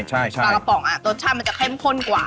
ใช่ปลากระป๋องรสชาติมันจะเข้มข้นกว่า